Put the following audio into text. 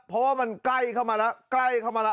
เพราะว่ามันใกล้เข้ามาแล้วใกล้เข้ามาแล้ว